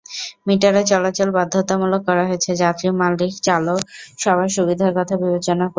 মিটারে চলাচল বাধ্যতামূলক করা হয়েছে যাত্রী, মালিক-চালক সবার সুবিধার কথা বিবেচনা করে।